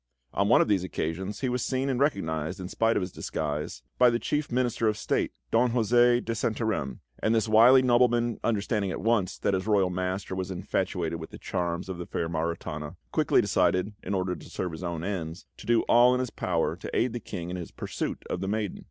On one of these occasions he was seen and recognised, in spite of his disguise, by the Chief Minister of State, Don José de Santarem, and this wily nobleman, understanding at once that his royal master was infatuated with the charms of the fair Maritana, quickly decided, in order to serve his own ends, to do all in his power to aid the King in his pursuit of the maiden.